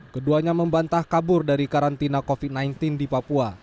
keduanya membantah kabur dari karantina covid sembilan belas di papua